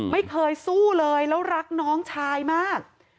ไม่เคยสู้เลยแล้วรักน้องชายมาก